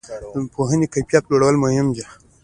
د پوهنې کیفیت لوړول مهم دي؟